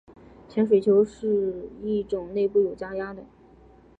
潜水球是一种内部有加压的。